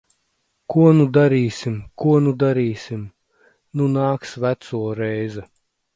Ko nu darīsim? Ko nu darīsim? Nu nāks veco reize.